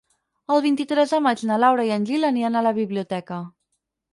El vint-i-tres de maig na Laura i en Gil aniran a la biblioteca.